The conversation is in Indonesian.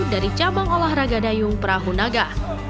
dari cabang olahraga dayung perahu naga